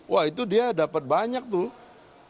wah itu dia dapat banyak tuh